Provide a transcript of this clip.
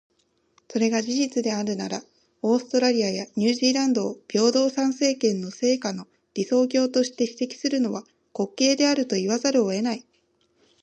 それが事実であるなら、オーストラリアやニュージーランドを平等参政権の成果の理想郷として指摘するのは、滑稽であると言わざるを得ない。